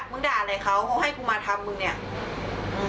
มึงด่าอะไรเขามึงให้กูมาทำมึงเนี่ย